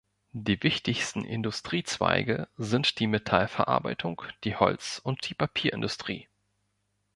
Die wichtigsten Industriezweige sind die Metallverarbeitung, die Holz- und die Papierindustrie.